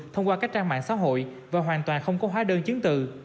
thông qua các trang mạng xã hội và hoàn toàn không có hóa đơn chiến tự